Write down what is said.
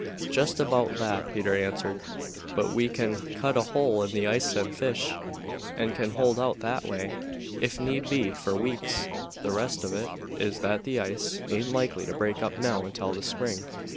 "Jest about that," Peter answered; "but we can cut a hole in the ice and fish, and can hold out that way, if need be, for weeks. The wust of it is that the ice aint likely to break up now until the spring.